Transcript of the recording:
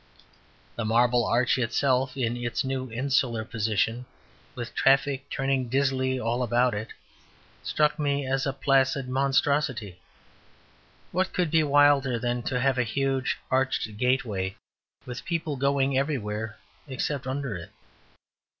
The Marble Arch itself, in its new insular position, with traffic turning dizzily all about it, struck me as a placid monstrosity. What could be wilder than to have a huge arched gateway, with people going everywhere except under it?